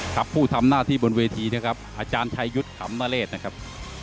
ผู้ทำหน้าที่บนเวทีนะครับอาจารย์ชัยยุทธ์ขำนเรศนะครับ